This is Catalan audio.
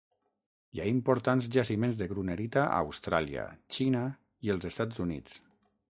Hi ha importants jaciments de grunerita a Austràlia, Xina i els Estats Units.